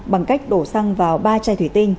bằng cách đổ xăng vào ba chai thủy tinh